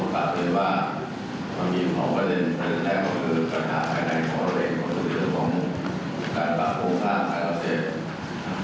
การปรับโครงสร้างขายลับเสร็จ